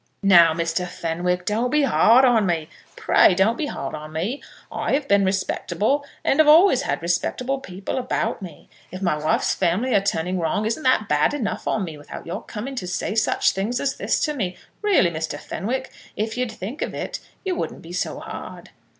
"Now, Mr. Fenwick, don't be hard on me; pray don't be hard on me. I have been respectable, and have always had respectable people about me. If my wife's family are turning wrong, isn't that bad enough on me without your coming to say such things as this to me? Really, Mr. Fenwick, if you'd think of it, you wouldn't be so hard."